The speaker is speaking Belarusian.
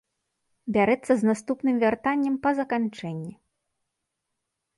Бярэцца з наступным вяртаннем па заканчэнні.